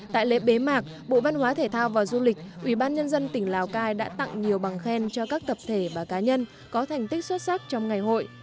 tại lễ bế mạc bộ văn hóa thể thao và du lịch ubnd tỉnh lào cai đã tặng nhiều bằng khen cho các tập thể và cá nhân có thành tích xuất sắc trong ngày hội